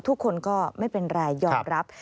ทุกคนก็ไม่เป็นไรยอมรับ